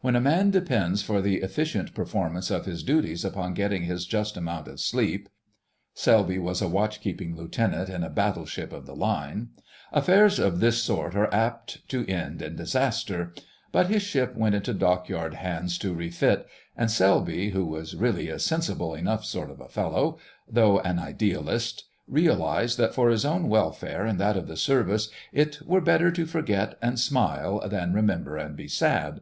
When a man depends for the efficient performance of his duties upon getting his just amount of sleep (Selby was a watch keeping Lieutenant in a battleship of the line), affairs of this sort are apt to end in disaster. But his ship went into Dockyard hands to refit, and Selby, who was really a sensible enough sort of fellow, though an idealist, realised that for his own welfare and that of the Service it were "better to forget and smile than remember and be sad."